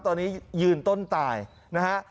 ตอนนี้ยืนต้นตายนะฮะ